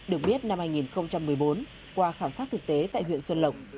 được biết năm hai nghìn một mươi bốn qua khảo sát thực tế tại huyện xuân lộc